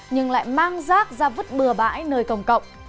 nhưng lại mang rác ra vứt bừa bãi nơi công cộng